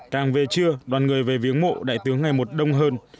càng về trưa đoàn người về viếng mộ đại tướng ngày một đông hơn